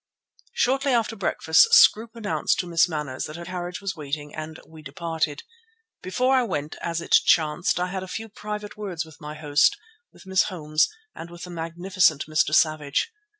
Shortly after breakfast Scroope announced to Miss Manners that her carriage was waiting, and we departed. Before I went, as it chanced, I had a few private words with my host, with Miss Holmes, and with the magnificent Mr. Savage.